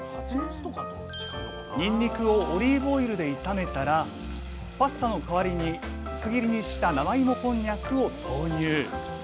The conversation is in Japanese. にんにくをオリーブオイルで炒めたらパスタの代わりに薄切りにした生芋こんにゃくを投入。